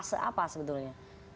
kita sedang dalam fase apa sebetulnya